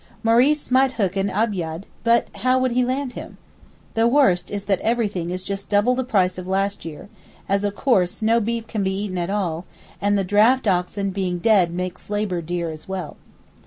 Maurice might hook an abyad, but how would he land him? The worst is that everything is just double the price of last year, as, of course, no beef can be eaten at all, and the draught oxen being dead makes labour dear as well.